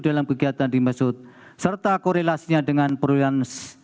dalam kegiatan dimasukkan serta korelasinya dengan perlindungan